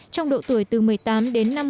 trong độ tuổi từ một mươi tám đến năm mươi